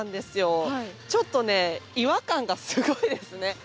ちょっと違和感がすごいですね。